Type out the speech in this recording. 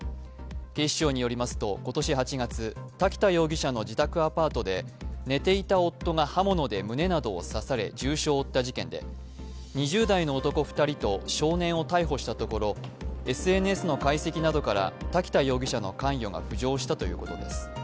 警視庁によりますと、今年８月、瀧田容疑者の自宅アパートで、寝ていた夫が刃物で胸などを刺され、重傷を負った事件で、２０代の男２人と少年を逮捕したところ、ＳＮＳの解析などから瀧田容疑者の関与が浮上したということです。